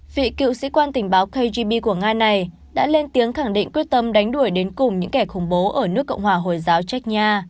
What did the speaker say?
vị cựu sĩ quan tình báo kgb của nga này đã lên tiếng khẳng định quyết tâm đánh đuổi đến cùng những kẻ khủng bố ở nước cộng hòa hồi giáo chech nha